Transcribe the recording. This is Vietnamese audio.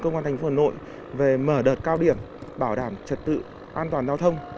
công an thành phố hà nội về mở đợt cao điểm bảo đảm trật tự an toàn giao thông